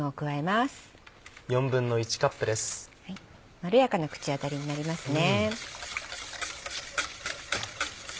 まろやかな口当たりになりますね。